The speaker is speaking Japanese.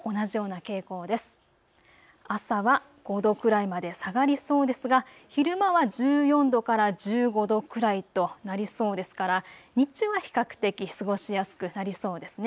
朝は５度くらいまで下がりそうですが、昼間は１４度から１５度くらいとなりそうですから、日中は比較的過ごしやすくなりそうですね。